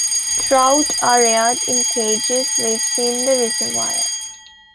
Trout are reared in cages within the reservoir.